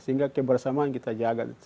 sehingga kebersamaan kita jaga